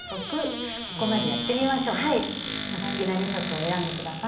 お好きな２色を選んで下さい。